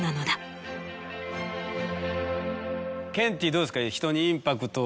ケンティーどうですか？